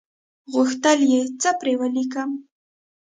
غوښتل یې څه پر ولیکم.